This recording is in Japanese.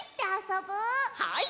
はい！